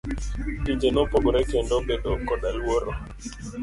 Pinje nopogore kendo obedo koda luoro.